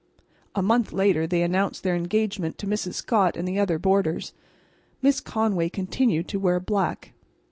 A month later they announced their engagement to Mrs. Scott and the other boarders. Miss Conway continued to wear black.